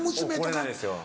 怒れないですよ。